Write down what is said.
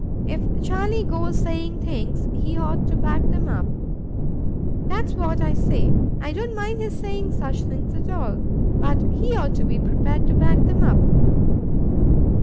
"If Charlie goes saying things, he ought to back 'em up. That's what I say. I don't mind his sayin' such things 't all, but he ought to be prepared to back 'em up."